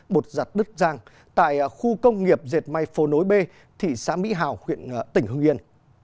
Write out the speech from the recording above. bột giặt đức giang tại khu công nghiệp diệt mai phố nối b thị xã mỹ hào huyện tỉnh hương yên